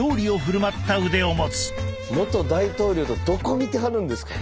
元大統領とどこ見てはるんですか。